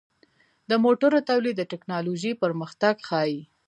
د موټرو تولید د ټکنالوژۍ پرمختګ ښيي.